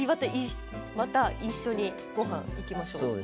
また、一緒にごはん、行きましょう。